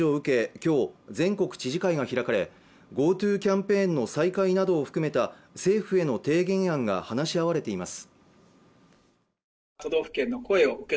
今日全国知事会が開かれＧｏＴｏキャンペーンの再開などを含めた政府への提言案が話し合われています